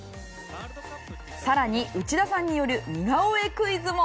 更に、内田さんによる似顔絵クイズも。